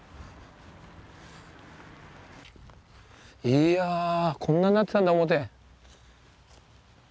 いやこんなになってたんだ表。